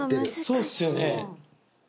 そうっすよね。